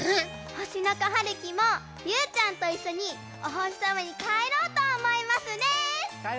ほしのこはるきもりゅうちゃんといっしょにおほしさまにかえろうとおもいますです！